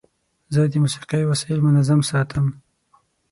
زه د موسیقۍ وسایل منظم ساتم.